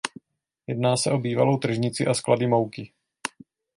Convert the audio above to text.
Jedná se o bývalou tržnici a sklady mouky.